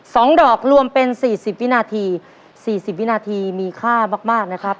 สองดอกรวมเป็นสี่สิบวินาทีสี่สิบวินาทีมีค่ามากมากนะครับ